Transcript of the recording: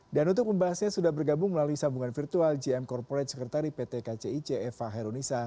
dan untuk membahasnya sudah bergabung melalui sambungan virtual gm corporate sekretari pt kcic eva heronisa